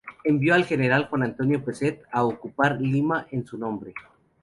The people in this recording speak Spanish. Envió al general Juan Antonio Pezet a ocupar Lima en su nombre.